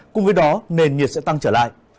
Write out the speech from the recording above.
cùng với đó nền nhiệt sẽ tăng trở lại